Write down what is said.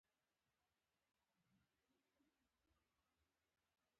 زیاریانو پر طبرستان، ګرګان او اصفهان واکمني وکړه.